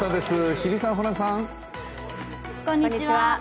日比さん、ホランさん。